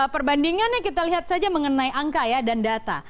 perbandingannya kita lihat saja mengenai angka ya dan data